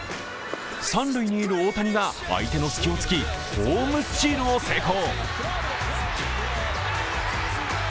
三塁にいる大谷が相手の隙を突き、ホームスチールを成功。